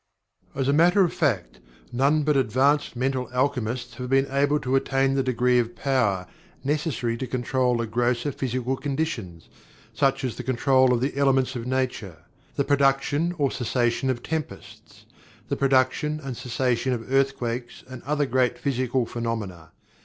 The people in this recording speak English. As a matter of fact, none but advanced Mental Alchemists have been able to attain the degree of power necessary to control the grosser physical conditions, such as the control of the elements of Nature; the production or cessation of tempests; the production and cessation of earthquakes and other great physical phenomena.